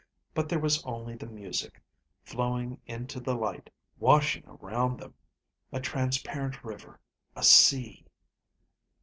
But there was only the music, flowing into the light, washing around them, a transparent river, a sea.